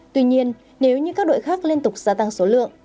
tuy nhiên nếu như các đội khác liên tục gia tăng số lượng